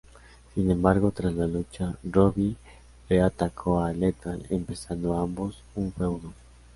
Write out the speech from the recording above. Sin embargo, tras la lucha, Robbie E atacó a Lethal, empezando ambos un feudo.